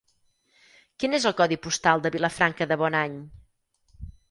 Quin és el codi postal de Vilafranca de Bonany?